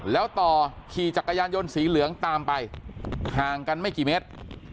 แล้วต่อขี่จักรยานยนต์สีเหลืองตามไปห่างกันไม่กี่เมตร